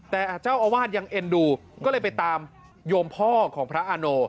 แต่เจ้าอาวาสยังเอ็นดูก็เลยไปตามโยมพ่อของพระอาโน